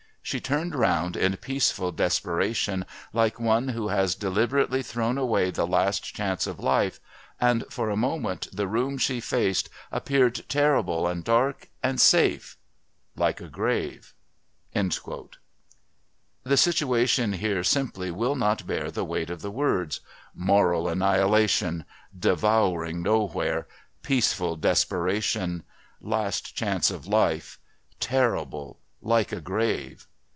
She turned round in peaceful desperation like one who has deliberately thrown away the last chance of life; and for a moment the room she faced appeared terrible, and dark, and safe like a grave." The situation here simply will not bear the weight of the words "moral annihilation," "devouring nowhere," "peaceful desperation," "last chance of life," "terrible," "like a grave."